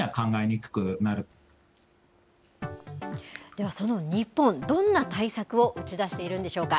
では、その日本、どんな対策を打ち出しているんでしょうか。